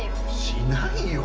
しないよ。